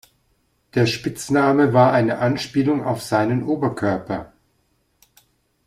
Der Spitzname war eine Anspielung auf seinen Oberkörper.